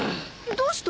どうした？